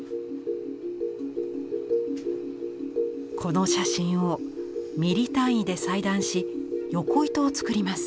この写真をミリ単位で裁断し横糸を作ります。